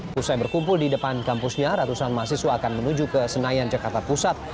pusat berkumpul di depan kampusnya ratusan mahasiswa akan menuju ke senayan jakarta pusat